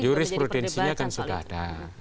juris prudensinya kan sudah ada